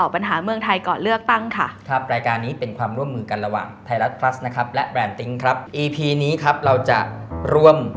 เพราะผมคิดว่าผมพลังนุ่ม